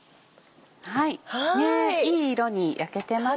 いい色に焼けてますね。